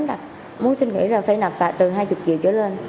con muốn xin nghỉ là phải nạp lại từ hai mươi triệu cho lên